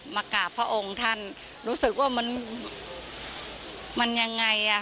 มากราบพระองค์ท่านรู้สึกว่ามันมันยังไงอ่ะ